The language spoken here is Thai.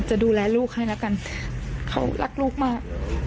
จะดูแลลูกให้แล้วกันเขารักลูกมาก